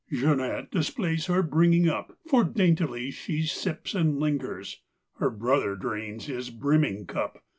Jeanette displays her bringing up. For daintily she sips and lingers. Her brother drains his brimming cup.